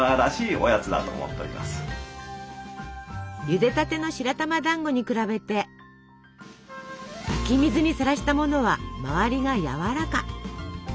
ゆでたての白玉だんごに比べて湧き水にさらしたものは周りがやわらか。